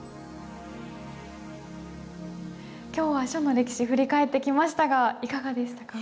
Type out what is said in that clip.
今日は書の歴史振り返ってきましたがいかがでしたか？